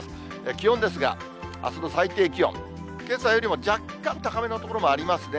気温ですが、あすの最低気温、けさよりも若干高めの所もありますね。